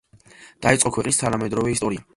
დაიწყო ქვეყნის თანამედროვე ისტორია.